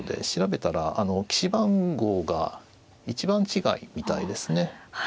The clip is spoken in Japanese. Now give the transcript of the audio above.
調べたら棋士番号が１番違いみたいですね。